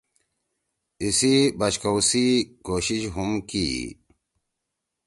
ایسی بش کؤ سی کوشش ہُم کیئی۔